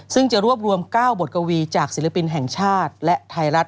ซึ่งจะรวบรวม๙บทกวีจากศิลปินแห่งชาติและไทยรัฐ